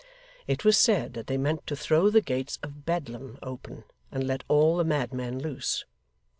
It was said that they meant to throw the gates of Bedlam open, and let all the madmen loose.